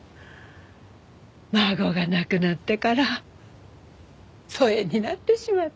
孫が亡くなってから疎遠になってしまって。